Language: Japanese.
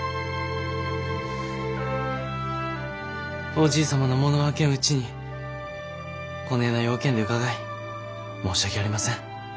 おじい様の喪の明けんうちにこねえな用件で伺い申し訳ありません。